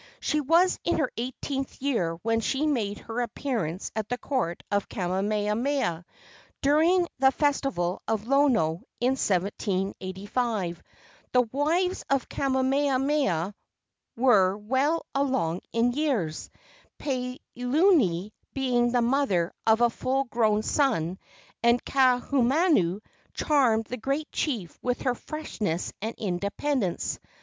She was in her eighteenth year when she made her appearance at the court of Kamehameha, during the festival of Lono, in 1785. The wives of Kamehameha were well along in years, Peleuli being the mother of a full grown son, and Kaahumanu charmed the great chief with her freshness and independence.